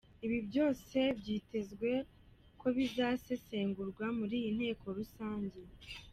Ibi byose, byitezwe ko bizasesengurwa muri iyi nteko rusange.